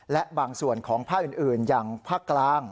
และบางส่วนของภาคอื่นอย่างภาคกลาง